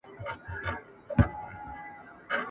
پوهېدل د ګډي ژبي او د عامو مسئولیتونو په پېژندلو کي مرسته کوي.